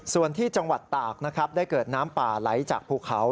ส่วนที่จังหวัดตากนะครับได้เกิดน้ำป่าไหลจากภูเขา